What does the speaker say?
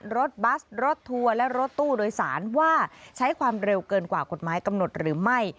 รถบัสรถทัวร์และรถตู้โดยสารว่าใช้ความเร็วเกินกว่ากฎหมายกำหนดหรือไม่